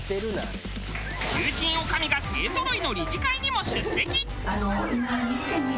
重鎮女将が勢ぞろいの理事会にも出席。